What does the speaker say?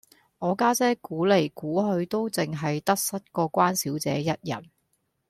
我家姐估黎估去都淨係得失過關小姐一人